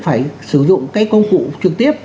phải sử dụng cái công cụ trực tiếp